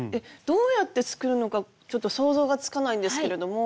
どうやって作るのかちょっと想像がつかないんですけれども。